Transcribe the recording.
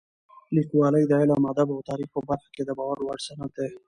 لیکوالی د علم، ادب او تاریخ په برخه کې د باور وړ سند دی.